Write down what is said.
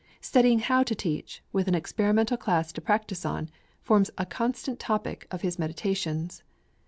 Studying how to teach, with an experimental class to practise on, forms the constant topic of his meditations.